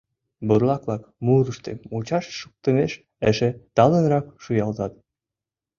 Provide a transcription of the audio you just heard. Бурлак-влак мурыштым мучашыш шуктымеш эше талынрак шуялтат.